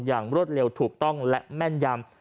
รวดเร็วถูกต้องและแม่นยำ